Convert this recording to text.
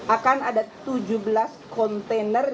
akan ada tujuh belas kontainer